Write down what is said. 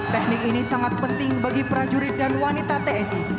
teknik ini sangat penting bagi prajurit dan wanita tni